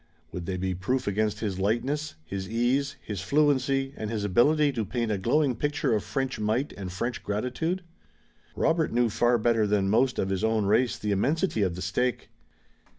Would they be proof against his lightness, his ease, his fluency and his ability to paint a glowing picture of French might and French gratitude? Robert knew far better than most of his own race the immensity of the stake.